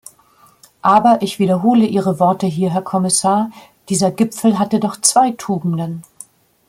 Aber ich wiederhole Ihre Worte hier, Herr Kommissar dieser Gipfel hatte doch zwei Tugenden.